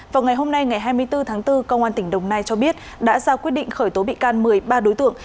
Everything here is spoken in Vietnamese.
vào ngày hôm nay ngày hai mươi bốn tháng bốn công an tỉnh đồng nai cho biết đã ra quyết định khởi tố bị can một mươi ba đối tượng